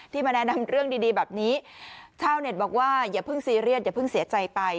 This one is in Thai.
มาแนะนำเรื่องดีดีแบบนี้ชาวเน็ตบอกว่าอย่าเพิ่งซีเรียสอย่าเพิ่งเสียใจไป